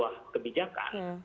ada sebuah kebijakan